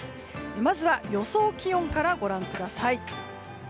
まずは予想気温からご覧ください。